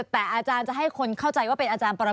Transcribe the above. แต่อาจารย์จะให้คนเข้าใจว่าเป็นอาจารย์ปร